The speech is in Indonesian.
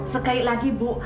sekali lagi bu